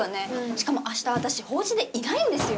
しかも明日私法事でいないんですよ！